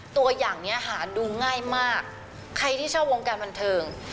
ตัวอย่างเนี้ยหาดูง่ายมากใครที่ชอบวงการบันเทิง